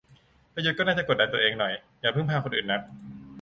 ประยุทธ์ก็น่าจะกดดันตัวเองหน่อย อย่าพึ่งพาคนอื่นนัก